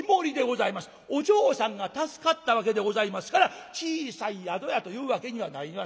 お嬢さんが助かったわけでございますから小さい宿屋というわけにはなりません。